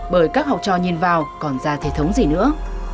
bởi các học trò nhìn vào còn ra thay thống gì nữa